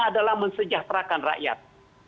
adalah mensejahterakan rakyat